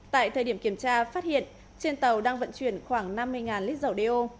tại thời điểm kiểm tra phát hiện trên tàu đang vận chuyển khoảng năm mươi lít dầu đeo